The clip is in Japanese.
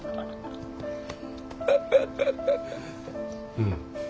うん。